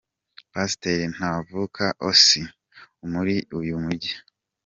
Pasiteri Ntavuka Osee, muri uyu mujyi.